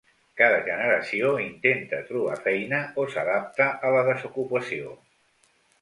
Cada generació intenta trobar feina o s'adapta a la desocupació.